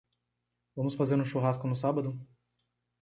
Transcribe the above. Vamos fazer um churrasco no sábado?